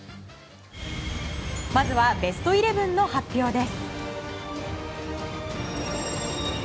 まずはベストイレブンの発表です。